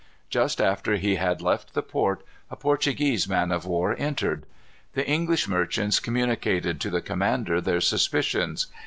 Just after he had left the port, a Portuguese man of war entered. The English merchants communicated to the commander their suspicions.